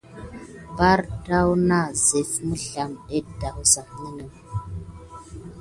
Bardaz na zef mizlama de dasmin.